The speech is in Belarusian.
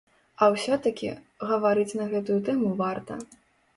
А ўсё такі, гаварыць на гэтую тэму варта.